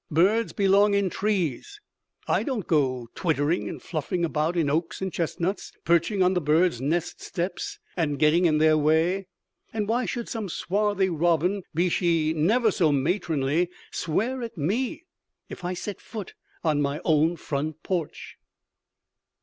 Birds belong in trees. I don't go twittering and fluffing about in oaks and chestnuts, perching on the birds' nest steps and getting in their way. And why should some swarthy robin, be she never so matronly, swear at me if I set foot on my own front porch?